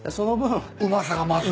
うまさが増す？